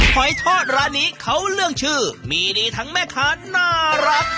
หอยทอดร้านนี้เขาเรื่องชื่อมีดีทั้งแม่ค้าน่ารัก